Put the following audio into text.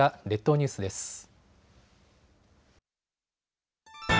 列島ニュースです。